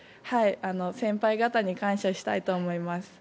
先輩方に感謝したいと思います。